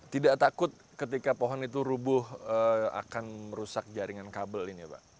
tidak takut ketika pohon itu rubuh akan merusak jaringan kabel ini ya pak